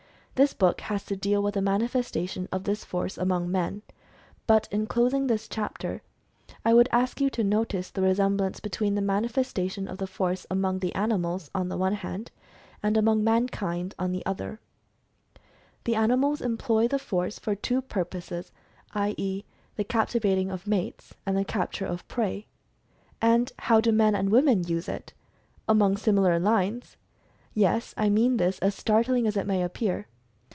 This book has to deal with the manifestation of this force among men. But in closing this chapter, I would ask you to notice the resemblance between the manifestation of the force among the animals, on the one hand, and among mankind on the other. 22 Mental Fascination The animals employ the force for two purposes, i. e., the captivating of mates, and the capture of prey. And how do men and women use it? Along similar lines ! Yes, I mean this, as startling as it may appear.